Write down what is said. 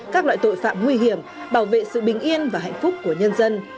các loại tội phạm nguy hiểm bảo vệ sự bình yên và hạnh phúc của nhân dân